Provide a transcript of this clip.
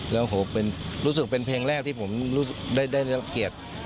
แล้วผมรู้สึกเป็นเพลงแรกที่ผมได้รับเกียรติ